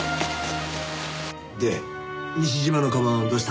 で西島のかばんはどうした？